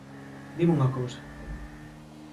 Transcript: Dime unha cousa.